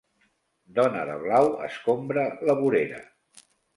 Dona de blau escombra la vorera.